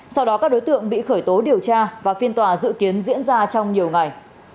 sau đó các đối tượng bị khởi tố điều tra và phiên tòa dự kiến diễn ra trong nhiều ngày